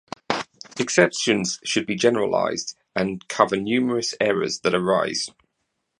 Exceptions should be generalized and cover numerous errors that arise.